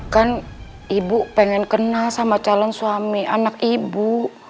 kan ibu pengen kenal sama calon suami anak ibu